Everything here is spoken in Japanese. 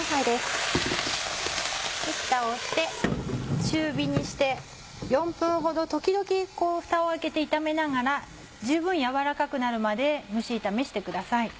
ふたをして中火にして４分ほど時々ふたを開けて炒めながら十分軟らかくなるまで蒸し炒めしてください。